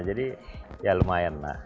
jadi ya lumayan lah